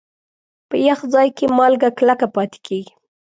په یخ ځای کې مالګه کلکه پاتې کېږي.